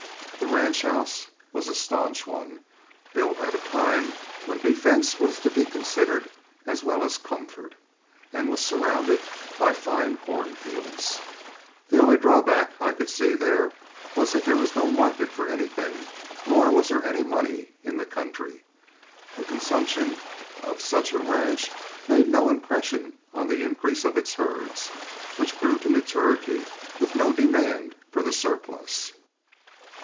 The ranch house was a stanch one, built at a time when defense was to be considered as well as comfort, and was surrounded by fine cornfields. The only drawback I could see there was that there was no market for anything, nor was there any money in the country. The consumption of such a ranch made no impression on the increase of its herds, which grew to maturity with no demand for the surplus.